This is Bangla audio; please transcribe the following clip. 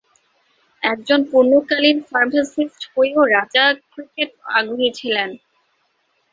একজন পূর্ণকালীন ফার্মাসিস্ট হয়েও রাজা ক্রিকেটে আগ্রহী ছিলেন।